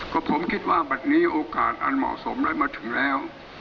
ก็ผมคิดว่าบัตรนี้โอกาสอันเหมาะสมได้มาถึงแล้ว